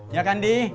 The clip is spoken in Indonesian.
iya kan di